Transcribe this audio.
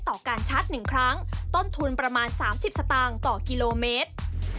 ต่อการชาร์จ๑ครั้งต้นทุนประมาณ๓๐สตางค์ต่อกิโลเมตร